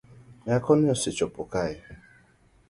Nyakoni osechopo kae